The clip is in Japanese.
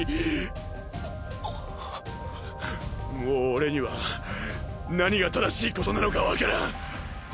もう俺には何が正しいことなのかわからん。